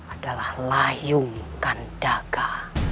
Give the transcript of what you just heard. adalah layung kandaga